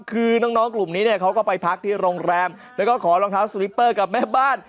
คือน้องกลุ่มนี้เนี่ยเขาก็ไปพักที่โรงแรมแล้วก็ขอรองเท้าสลิปเปอร์กับแม่บ้าน